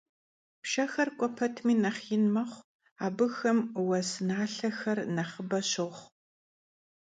Pşşexer k'ue petmi nexh yin mexhu, abıxem vues nalhexeri nexhıbe şoxhu.